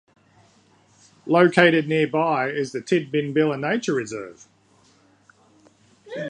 Located nearby is the Tidbinbilla Nature Reserve.